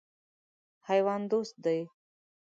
حیوان دوست دی.